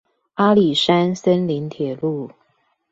阿里山森林鐵路